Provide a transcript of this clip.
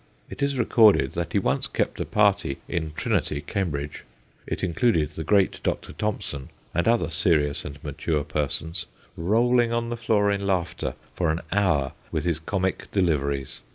It is recorded that he once kept a party in Trinity, Cambridge it included the great Dr. Thompson and other serious and mature persons rolling on the floor in laughter for an hour with his comic deliveries.